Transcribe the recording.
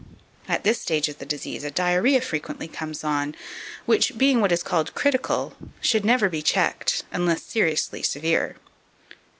At this stage of the disease a diarrhoea frequently comes on, which, being what is called "critical," should never be checked, unless seriously severe.